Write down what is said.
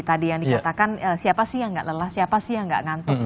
tadi yang dikatakan siapa sih yang nggak lelah siapa sih yang nggak ngantuk